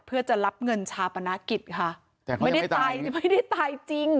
เพื่อจะรับเงินชาปนกิจค่ะไม่ได้ตายไม่ได้ตายจริง